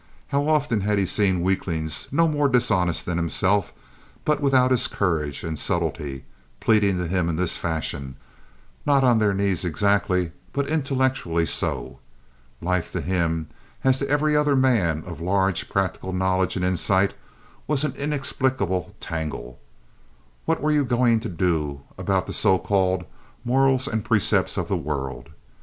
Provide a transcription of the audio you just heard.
How often had he seen weaklings no more dishonest than himself, but without his courage and subtlety, pleading to him in this fashion, not on their knees exactly, but intellectually so! Life to him, as to every other man of large practical knowledge and insight, was an inexplicable tangle. What were you going to do about the so called morals and precepts of the world?